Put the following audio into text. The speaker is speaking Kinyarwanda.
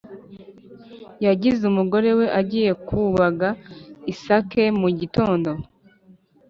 yasize umugore we agiye kubaga isake mu gitondo